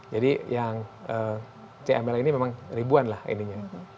jadi yang cml ini memang ribuan lah ininya